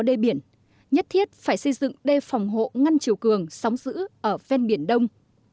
đê biển nhất thiết phải xây dựng đê phòng hộ ngăn chiều cường sóng giữ ở ven biển đông